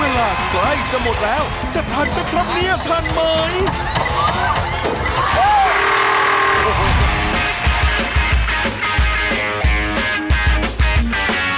เวลาใกล้จะหมดแล้วจะทันไหมครับเนี่ยทันไหม